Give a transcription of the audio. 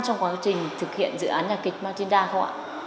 trong quá trình thực hiện dự án nhà kịch martinda không ạ